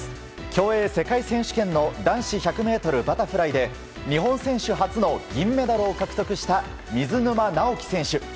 競泳世界選手権の男子１００ｍバタフライで日本選手初の銀メダルを獲得した水沼尚輝選手。